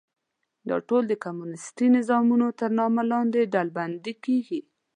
دا ټول د کمونیستي نظامونو تر نامه لاندې ډلبندي کېږي.